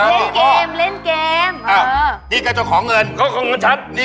ไอ้ี่จ่ายหายหมดเลย